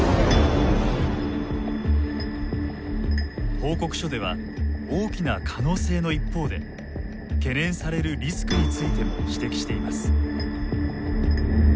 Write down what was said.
報告書では大きな可能性の一方で懸念されるリスクについても指摘しています。